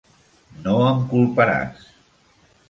No em culparàs.